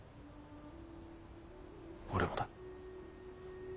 俺もだ。